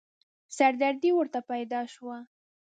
سردردې ورته پيدا شوه.